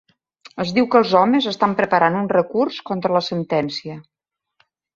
Es diu que els homes estan preparant un recurs contra la sentència.